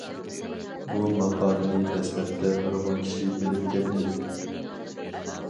بۇ ماقالىنى دەسلەپتە نۇرغۇن كىشى بىلىپ كەتمىدى.